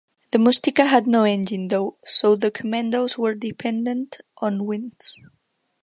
The "Mustika" had no engine though so the commandoes were dependent on winds.